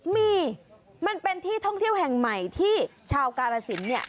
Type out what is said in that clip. มีมันเป็นที่ท่องเที่ยวแห่งใหม่ที่ชาวกาลสินเนี่ย